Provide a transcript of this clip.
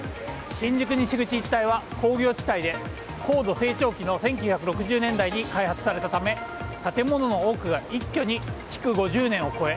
新宿西口一帯は工業地帯で高度成長期の１９６０年代に開発されたため建物の多くが一挙に築５０年を超え